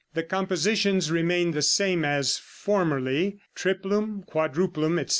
The compositions remained the same as formerly, triplum, quadruplum, etc.